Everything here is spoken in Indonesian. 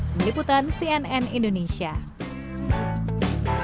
jangan lupa berikan like share dan subscribe ya